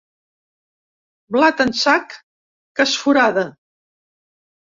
Blat en sac que es forada.